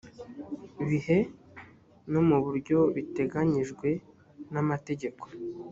bihe no mu buryo biteganyijwe n amategeko